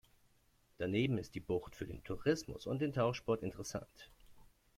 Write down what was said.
Daneben ist die Bucht für den Tourismus und den Tauchsport interessant.